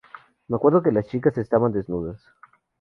Me acuerdo que las chicas estaban desnudas".